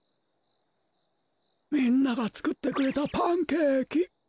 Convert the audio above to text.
みんながつくってくれたパンケーキ。